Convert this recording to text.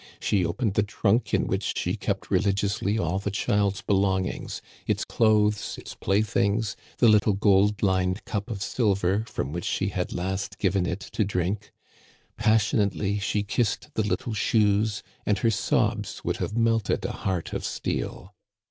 She opened the trunk in which she kept religiously all the child's belongings — its clothes, its playthings, the little gold lined cup of silver from which she had last given it to drink. Passionately she kissed the little shoes, and her sobs would have melted a heart of steel.